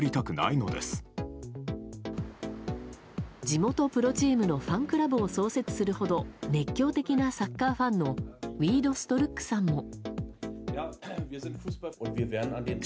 地元プロチームのファンクラブを創設するほど熱狂的なサッカーファンのウィードストルックさんも。